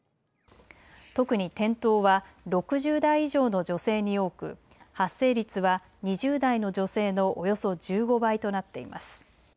特に転倒は６０代以上の女性に多く、発生率は２０代の女性のおよそ１５倍となっています。